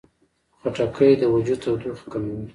خټکی د وجود تودوخه کموي.